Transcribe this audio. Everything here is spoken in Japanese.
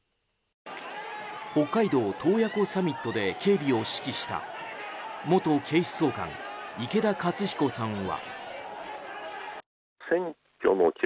北海道洞爺湖サミットで警備を指揮した元警視総監池田克彦さんは。